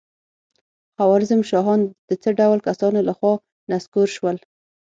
خوارزم شاهان د څه ډول کسانو له خوا نسکور شول؟